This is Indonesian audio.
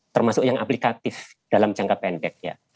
termasuk yang aplikatif dalam jangka pendek ya